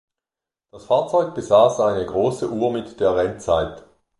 Das Fahrzeug besaß eine große Uhr mit der Rennzeit.